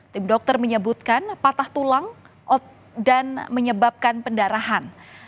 tim dokter menyebutkan patah tulang dan menyebabkan pendarahan